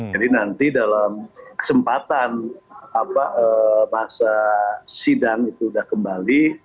jadi nanti dalam kesempatan masa sidang itu sudah kembali